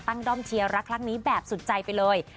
ด้อมเชียร์รักครั้งนี้แบบสุดใจไปเลย